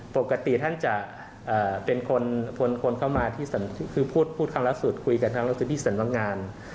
ปกติท่านจะเป็นคนเข้ามาที่คือพูดคำลักษณ์คุยกันคำลักษณ์ที่สำนักงาน